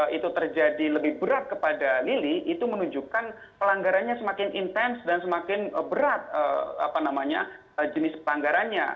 kalau itu terjadi lebih berat kepada lili itu menunjukkan pelanggarannya semakin intens dan semakin berat jenis pelanggarannya